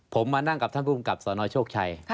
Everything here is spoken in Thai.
ผมมานั่งกับท่านผู้กำกัดสอนอยโทษชัย